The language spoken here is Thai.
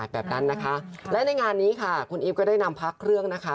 แบบนั้นนะคะและในงานนี้ค่ะคุณอีฟก็ได้นำพักเครื่องนะคะ